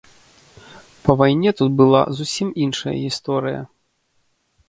Па вайне тут была зусім іншая гісторыя.